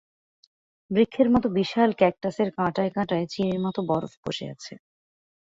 বৃক্ষের মতো বিশাল ক্যাকটাসের কাঁটায় কাঁটায় চিনির মতো বরফ বসে আছে।